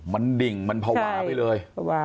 มันดิ่งมันภาวะไปเลย